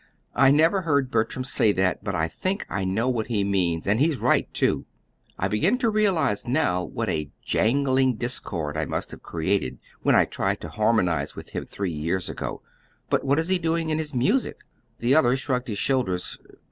"I never heard Bertram say that, but I think I know what he means; and he's right, too. I begin to realize now what a jangling discord I must have created when I tried to harmonize with him three years ago! But what is he doing in his music?" The other shrugged his shoulders.